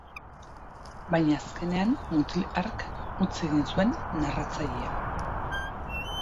Baina azkenean mutil hark utzi egin zuen narratzailea.